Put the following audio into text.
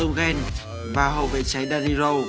sturgeon và hậu vệ trái daniel